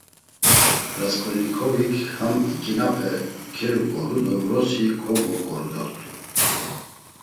Rasǩolnikovik ham iǩinape keluǩoru do vrosi kogvoǩoru dort̆u.